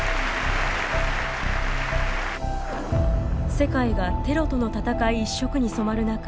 世界がテロとの戦い一色に染まる中